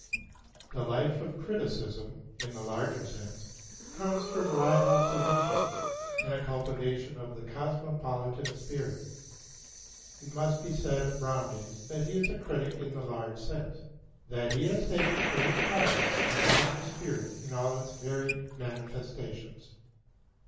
The life of criticism, in the larger sense, comes from wide observation and a cultivation of the cosmopolitan spirit. And it must be said of Brandes that he is a critic in this large sense, that he has taken for his province the modern spirit in all its varied manifestations.